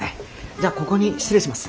じゃあここに失礼します。